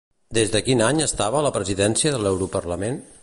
Des de quin any estava a la presidència de l'Europarlament?